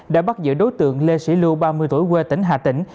đã bắt giữ đối tượng lê sĩ lưu ba mươi tuổi quê tỉnh hà tĩnh